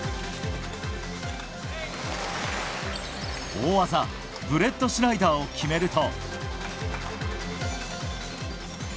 大技、ブレットシュナイダーを決めると。